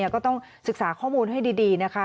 ก็ต้องศึกษาข้อมูลให้ดีนะคะ